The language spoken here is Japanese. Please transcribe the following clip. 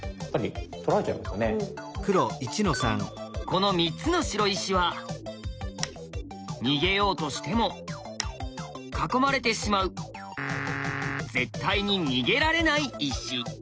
この３つの白石は逃げようとしても囲まれてしまう絶対に逃げられない石。